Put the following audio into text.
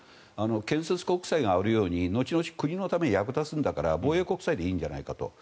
建設国債があるように後々国のために役立つんだから防衛国債でいいんじゃないかと。